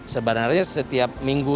sebenarnya setiap minggu